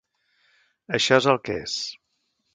Això és el que és.